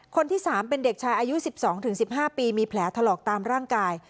คนที่สามเป็นเด็กชายอายุสิบสองถึงสิบห้าปีมีแผลถลอกตามร่างกาย